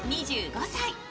２５歳。